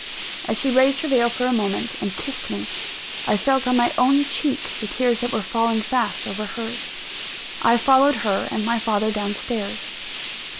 As she raised her veil for a moment, and kissed me, I felt on my own cheek the tears that were falling fast over hers. I followed her and my father down stairs.